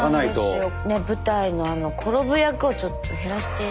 舞台の転ぶ役をちょっと減らして。